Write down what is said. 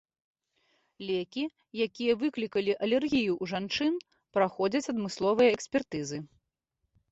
Лекі, якія выклікалі алергію ў жанчын, праходзяць адмысловыя экспертызы.